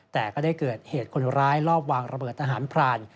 แต่ก็ได้เกิดเหตุคนร้ายรอบวางระเบิดทหารพราน